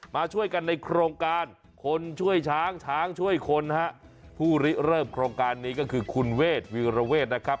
มาช่วยกันในโครงการคนช่วยช้างช้างช่วยคนฮะผู้ริเริ่มโครงการนี้ก็คือคุณเวทวีรเวทนะครับ